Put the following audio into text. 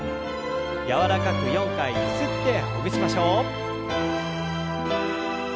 柔らかく４回ゆすってほぐしましょう。